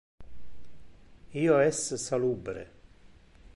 Io es salubre.